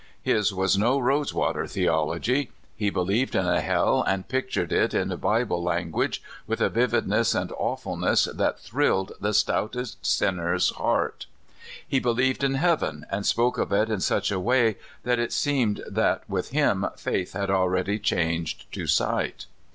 His was no rose water theology. He be lieved in a hell, and pictured it in Bible language with a vividness and awfulness that thrilled the stoutest sinner's heart ; he believed in heaven, and spoke of it in such a way that it seemed that with him faith had already changed to sight.